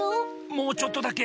もうちょっとだけ。